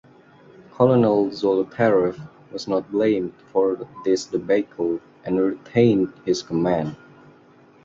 Colonel Zolotarev was not blamed for this debacle and retained his command.